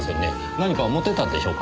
何かを持ってったんでしょうか？